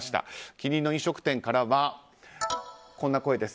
近隣の飲食店からはこんな声です。